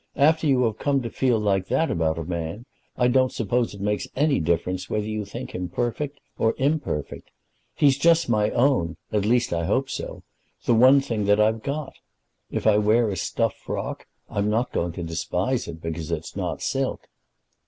After you have come to feel like that about a man I don't suppose it makes any difference whether you think him perfect or imperfect. He's just my own, at least I hope so; the one thing that I've got. If I wear a stuff frock, I'm not going to despise it because it's not silk."